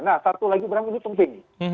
nah satu lagi bram ini penting